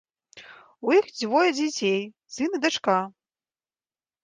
У іх двое дзяцей, сын і дачка.